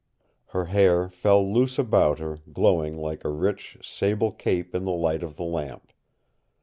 Her hair fell loose about her, glowing like a rich, sable cape in the light of the lamp.